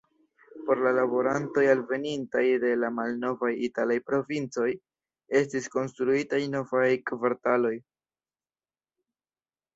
Por la laborantoj alvenintaj de la malnovaj italaj provincoj estis konstruitaj novaj kvartaloj.